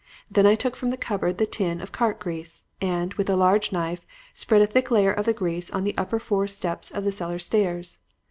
Then I took from the cupboard the tin of cart grease, and, with a large knife, spread a thick layer of the grease on the upper four steps of the cellar stairs.